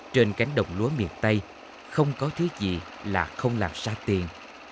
trên cánh đồng lúa miền tây không có thứ gì là không làm xa tiền